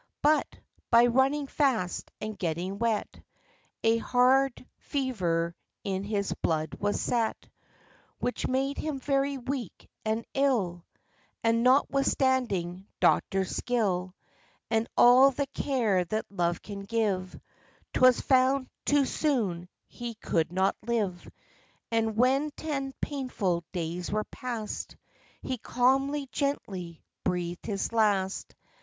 But, by running fast and getting wet, A hard fever in his blood was set, Which made him very weak and ill; And, notwithstanding doctors' skill, And all the care that love can give, 'Twas found, too soon, he could not live; And when ten painful days were past, He calmly, gently, breathed his last.